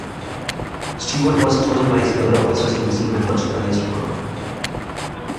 Stewart was chosen by his brother officers to receive the much prized honour.